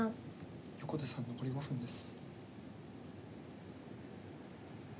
横手さん残り５分です。